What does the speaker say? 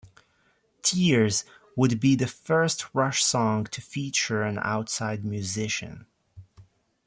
"Tears" would be the first Rush song to feature an outside musician.